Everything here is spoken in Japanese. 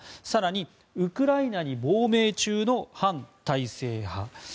更に、ウクライナに亡命中の反体制派。